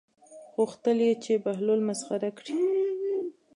غوښتل یې چې بهلول مسخره کړي.